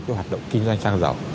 cho hoạt động kinh doanh xăng dầu